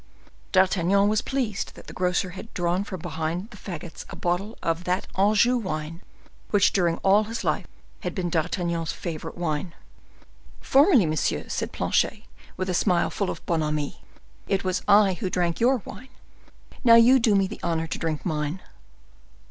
D'Artagnan was pleased that the grocer had drawn from behind the fagots a bottle of that Anjou wine which during all his life had been D'Artagnan's favorite wine. "Formerly, monsieur," said Planchet, with a smile full of bonhomie, "it was I who drank your wine; now you do me the honor to drink mine."